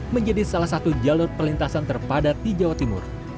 menjadikan jalan perintasan terpadat di jawa timur